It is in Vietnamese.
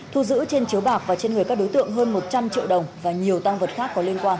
thu giữ trên chiếu bạc và trên người các đối tượng hơn một trăm linh triệu đồng và nhiều tăng vật khác có liên quan